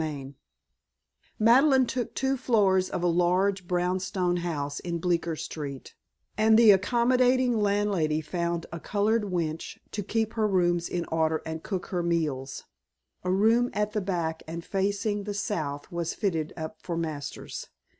XLI Madeline took two floors of a large brown stone house in Bleecker Street, and the accommodating landlady found a colored wench to keep her rooms in order and cook her meals. A room at the back and facing the south was fitted up for Masters.